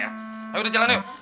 ayo udah jalan yuk